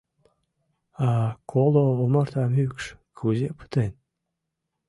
А коло омарта мӱкш кузе пытен?